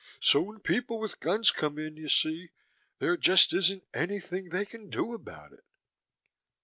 So when people with guns come in, you see, there just isn't anything they can do about it.